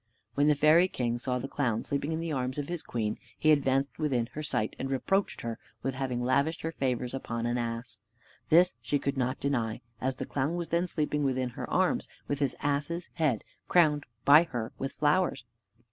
When the fairy king saw the clown sleeping in the arms of his queen, he advanced within her sight, and reproached her with having lavished her favors upon an ass. This she could not deny, as the clown was then sleeping within her arms, with his ass's head crowned by her with flowers.